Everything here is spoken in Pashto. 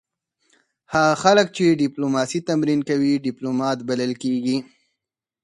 هغه خلک چې ډیپلوماسي تمرین کوي ډیپلومات بلل کیږي